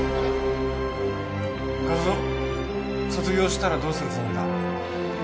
一男卒業したらどうするつもりだ。